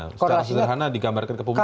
secara sederhana digambarkan ke publik